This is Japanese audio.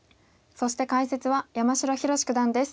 そして解説は山城宏九段です。